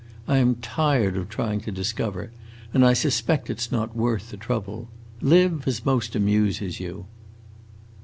I am tired of trying to discover, and I suspect it 's not worth the trouble. Live as most amuses you!"